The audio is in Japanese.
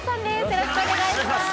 よろしくお願いします